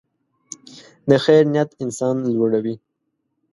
د خیر نیت انسان لوړوي.